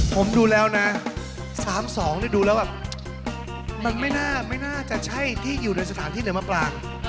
ผมดูแล้วนะ๓๒ดูแล้วแบบมันไม่น่าจะใช่ที่อยู่ในสถานที่ไหนมาปลา